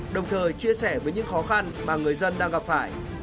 đồng thời chia sẻ với những khó khăn mà người dân đang gặp phải